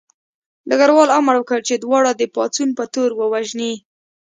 ډګروال امر وکړ چې دواړه د پاڅون په تور ووژني